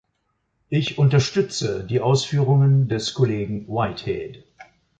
Ich unterstütze die Ausführungen des Kollegen Whitehead.